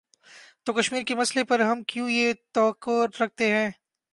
تو کشمیر کے مسئلے پر ہم کیوں یہ توقع رکھتے ہیں۔